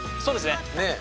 そうですね。